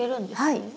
はい。